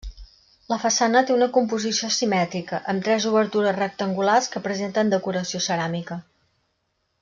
La façana té una composició simètrica, amb tres obertures rectangulars que presenten decoració ceràmica.